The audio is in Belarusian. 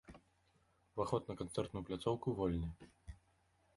Уваход на канцэртную пляцоўку вольны.